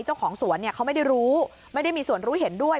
เจ้าของสวนเขาไม่ได้รู้ไม่ได้มีส่วนรู้เห็นด้วย